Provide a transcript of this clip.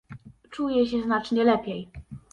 "Czuję się znacznie lepiej."